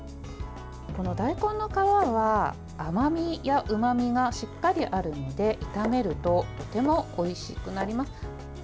この大根の皮は、甘みやうまみがしっかりあるので、炒めるととてもおいしくなります。